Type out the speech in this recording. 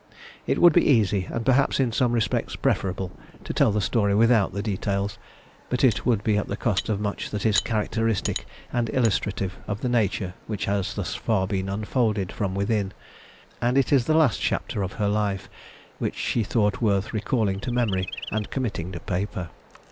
It would be easy, and perhaps in some respects preferable, to tell the story without the details, but it would be at the cost of much that is characteristic and illustrative of the nature which has thus far been unfolded from within, and it is the last chapter of her life which she thought worth recalling to memory and committing to paper.